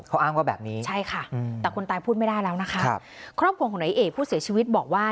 เขาอ้างว่าแบบนี้ใช่ค่ะแต่คนตายพูดไม่ได้แล้วนะคะครับครอบครัวของนายเอกผู้เสียชีวิตบอกว่า